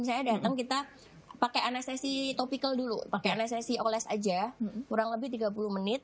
misalnya datang kita pakai anestesi topikal dulu pakai resesi oles aja kurang lebih tiga puluh menit